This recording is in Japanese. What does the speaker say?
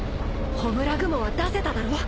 焔雲は出せただろ？